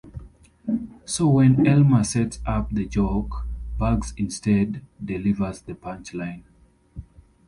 So when Elmer sets up the joke, Bugs instead delivers the punchline.